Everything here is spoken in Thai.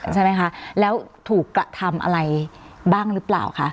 ใช่ไหมคะแล้วถูกกระทำอะไรบ้างหรือเปล่าคะ